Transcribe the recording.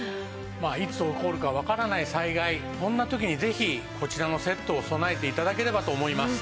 いつ起こるかわからない災害そんな時にぜひこちらのセットを備えて頂ければと思います。